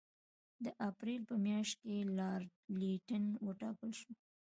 د اپرېل په میاشت کې لارډ لیټن وټاکل شو.